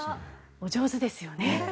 お上手ですよね。